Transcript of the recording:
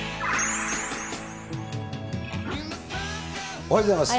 おはようございます。